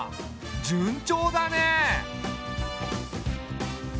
順調だね。